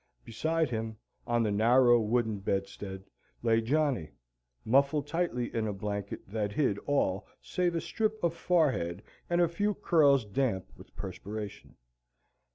Beside him, on a narrow wooden bedstead, lay Johnny, muffled tightly in a blanket that hid all save a strip of forehead and a few curls damp with perspiration.